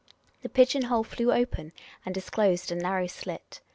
The pigeon hole flew open and disclosed a narrow slit.